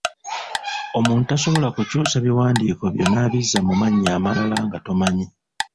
Omuntu tasobola kukyusa biwandiiko byo n’abizza mu mannya amalala nga tomanyi.